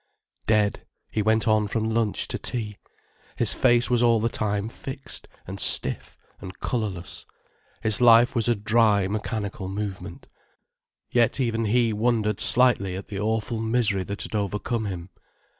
Dead, he went on from lunch to tea. His face was all the time fixed and stiff and colourless, his life was a dry, mechanical movement. Yet even he wondered slightly at the awful misery that had overcome him.